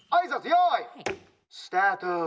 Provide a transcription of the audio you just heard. よいスタート。